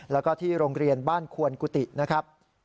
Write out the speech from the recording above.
แล้วก็ที่โรงเรียนบ้านควนกุฏินะครับ